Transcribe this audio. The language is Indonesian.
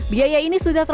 biaya ini sudah fokus